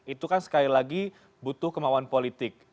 itu kan sekali lagi butuh kemauan politik